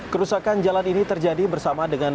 kerusakan jalan ini terjadi bersama dengan